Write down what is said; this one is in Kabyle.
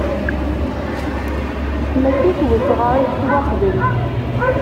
Mačči s usɣar i tettwaxdem.